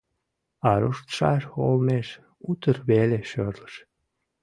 А руштшаш олмеш утыр веле шӧрлыш.